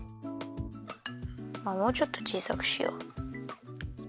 もうちょっとちいさくしよう。